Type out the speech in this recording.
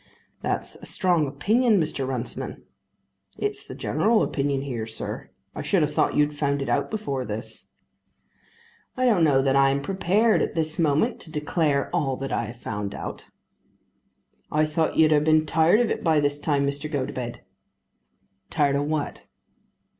"That's a strong opinion, Mr. Runciman." "It's the general opinion here, sir. I should have thought you'd found it out before this." "I don't know that I am prepared at this moment to declare all that I have found out." "I thought you'd have been tired of it by this time, Mr. Gotobed." "Tired of what?"